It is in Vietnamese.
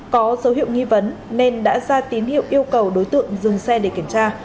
có dấu hiệu nghi vấn nên đã ra tín hiệu yêu cầu đối tượng dừng xe để kiểm tra